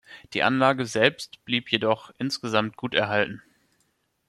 Die Anlage selbst blieb jedoch insgesamt gut erhalten.